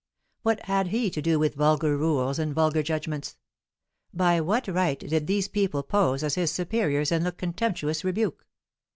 What had he to do with vulgar rules and vulgar judgments? By what right did these people pose as his superiors and look contemptuous rebuke?